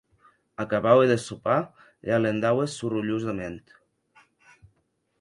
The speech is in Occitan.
Acabaue de sopar e alendaue sorrolhosament.